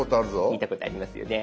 見たことありますよね。